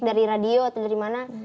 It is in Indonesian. dari radio atau dari mana